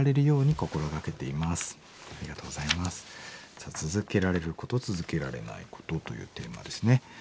さあ「続けられること続けられないこと」というテーマですね。